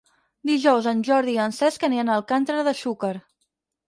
Dijous en Jordi i en Cesc aniran a Alcàntera de Xúquer.